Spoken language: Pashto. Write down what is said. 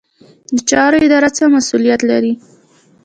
د چارو اداره څه مسوولیت لري؟